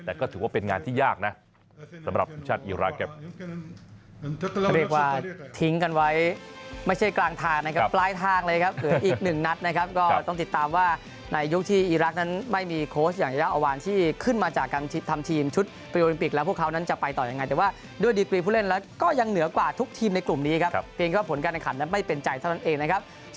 แต่ก็ถือว่าเป็นงานที่ยากนะสำหรับทีมชาติอีรักษ์ครับ